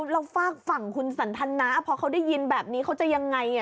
แล้วฝากฝั่งคุณสันทนาพอเขาได้ยินแบบนี้เขาจะยังไง